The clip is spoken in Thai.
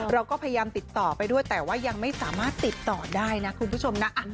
เราก็พยายามติดต่อไปด้วยแต่ว่ายังไม่สามารถติดต่อได้นะคุณผู้ชมนะ